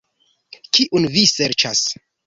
Kiun vi serĉas?